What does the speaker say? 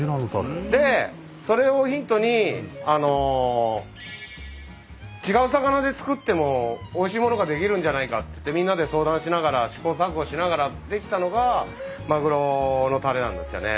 でそれをヒントに違う魚で作ってもおいしいものが出来るんじゃないかってみんなで相談しながら試行錯誤しながら出来たのがまぐろのたれなんですよね。